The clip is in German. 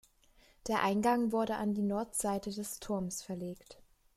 Der Eingang wurde an die Nordseite des Turms verlegt.